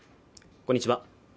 こんにちは